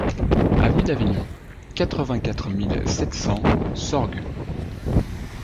Avenue d'Avignon, quatre-vingt-quatre mille sept cents Sorgues